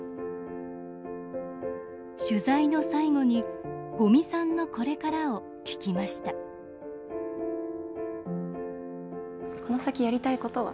取材の最後に、五味さんのこれからを聞きましたこの先やりたいことは？